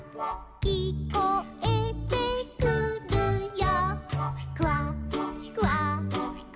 「きこえてくるよ」